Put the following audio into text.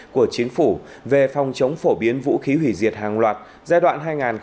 của chính phủ về phòng chống phổ biến vũ khí hủy diệt hàng loạt giai đoạn hai nghìn một mươi tám hai nghìn hai mươi